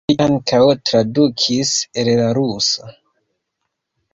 Li ankaŭ tradukis el la rusa.